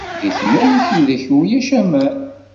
Di tmurt ideg ulac aman.